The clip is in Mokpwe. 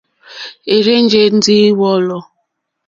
É rzènjé ndí wɔ̌lɔ̀.